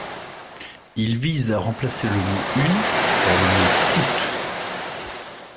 Il vise à remplacer le mot « une » par le mot « toute ».